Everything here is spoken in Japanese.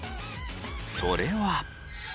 それは。